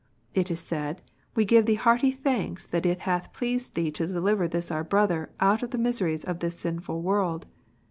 It is said, "We give Thee hearty thanks that it hath pleased Thee to deliver this our brother out of the miseries of this sinful world."